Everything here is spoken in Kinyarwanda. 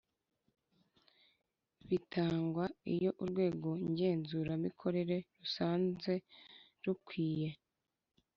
Bitangwa Iyo Urwego Ngenzuramikorere rusanze rukwiye